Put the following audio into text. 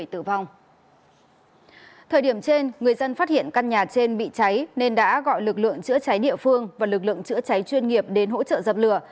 thời điểm trên người dân phát hiện căn nhà trên bị cháy nên đã gọi lực lượng chữa cháy địa phương và lực lượng chữa cháy chuyên nghiệp đến hỗ trợ dập lửa